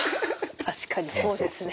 確かにそうですね。